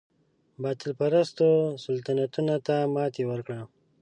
باطل پرستو سلطنتونو ته ماتې ورکړه.